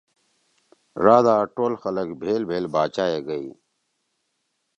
ڙادا ٹول خلگ بِھئیل بِھئیل باچائےگَئی۔